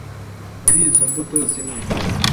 muri izo mbuto zimwe